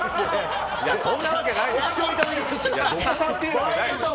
そんなわけない！